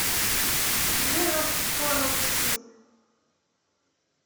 Bɣiɣ ad ṭṭfeɣ afus-im.